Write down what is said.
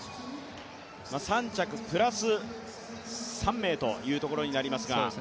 ３着プラス３名というところになりますが。